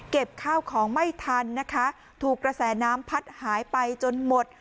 ข้าวของไม่ทันนะคะถูกกระแสน้ำพัดหายไปจนหมด